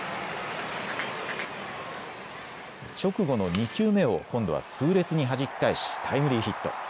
直後の２球目を今度は痛烈にはじき返しタイムリーヒット。